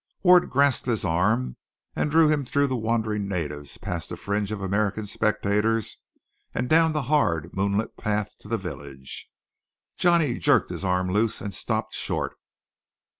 Ward grasped his arm and drew him through the wandering natives, past the fringe of American spectators, and down the hard moonlit path to the village. Johnny jerked his arm loose and stopped short.